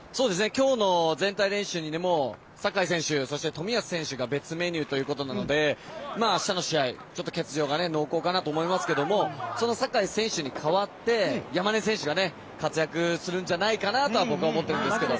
今日の全体練習でも酒井選手、そして冨安選手が別メニューということなので明日の試合欠場が濃厚かなと思いますけどその酒井選手に代わって山根選手が活躍するんじゃないかなと僕は思ってるんですけど。